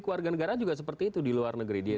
kewarganegaraan juga seperti itu di luar negeri di